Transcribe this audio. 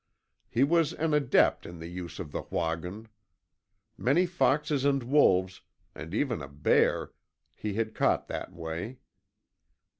He was an adept in the use of the WAHGUN. Many foxes and wolves, and even a bear, he had caught that way.